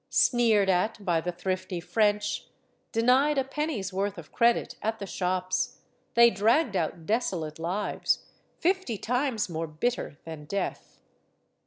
Sneered at by the thrifty French, denied a penny's worth of credit at the shops, they dragged out desolate lives, fifty times more bitter than death.